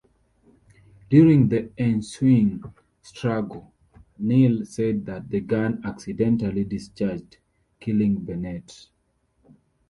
During the ensuing struggle, Neal said that the gun accidentally discharged, killing Bennett.